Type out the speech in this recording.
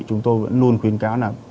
chúng tôi luôn khuyến cáo là